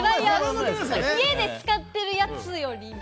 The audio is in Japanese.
家で使ってるやつより。